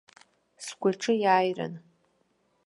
Сгәаҿы иааирын.